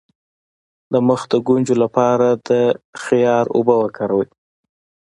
د مخ د ګونځو لپاره د خیار اوبه وکاروئ